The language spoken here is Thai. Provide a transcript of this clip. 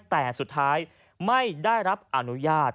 แต่สุดท้ายไม่ได้รับอนุญาต